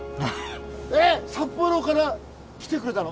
えっ！札幌から来てくれたの？